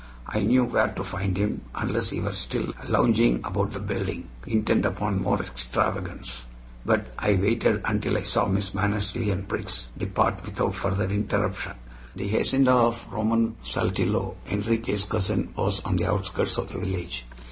I knew where to find him, unless he were still lounging about the building, intent upon more extravagance; but I waited until I saw Miss Mannersley and Briggs depart without further interruption. The hacienda of Ramon Saltillo, Enriquez' cousin, was on the outskirts of the village.